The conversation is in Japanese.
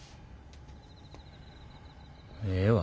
ええわ。